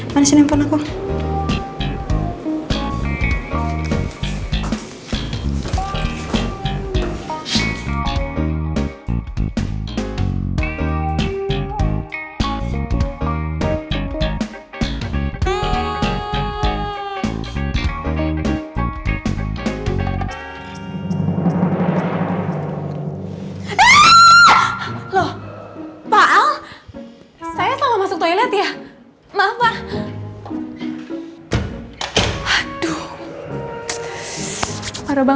mana sih handphone aku